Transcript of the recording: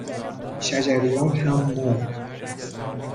شجریان هم مرد